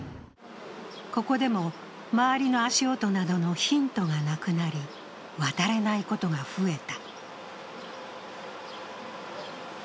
ここでも周りの足音などのヒントがなくなり渡れないこと増えた。